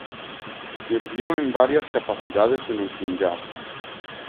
Sirvió en varias capacidades en el Punyab.